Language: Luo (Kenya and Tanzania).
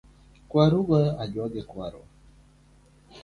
Kwaru goyo ajua gi kwarwa .